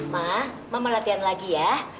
ma ma melatihan lagi ya